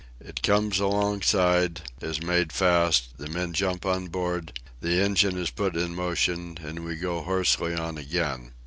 It comes alongside, is made fast, the men jump on board, the engine is put in motion, and we go hoarsely on again.